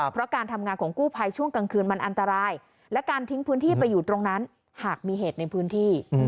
เพราะการทำงานของกู้ภัยช่วงกลางคืนมันอันตรายและการทิ้งพื้นที่ไปอยู่ตรงนั้นหากมีเหตุในพื้นที่